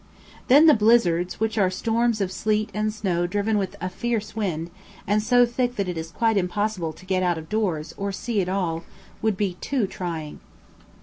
Then the blizzards, which are storms of sleet and snow driven with a fierce wind, and so thick that it is quite impossible to get out of doors, or see at all, would be too trying.